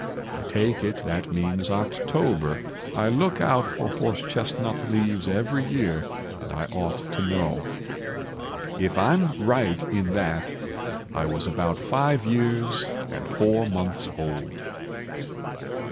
I take it that means October. I look out for horse chestnut leaves every year, and I ought to know. "If I'm right in that, I was about five years and four months old."